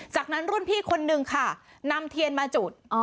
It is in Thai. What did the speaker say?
จากนั้นรุ่นพี่คนนึงค่ะนำเทียนมาจุด